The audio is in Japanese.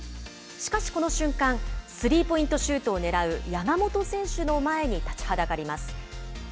しかしこの瞬間、スリーポイントシュートを狙う山本選手の前に立ちはだかります。